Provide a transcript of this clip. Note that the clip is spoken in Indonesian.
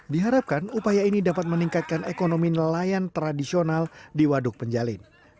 diharapkan upaya ini dapat meningkatkan ekonomi nelayan tradisional di waduk penjalin